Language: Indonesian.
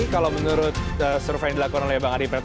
kalau menurut survei yang dilakukan oleh bang adi pratno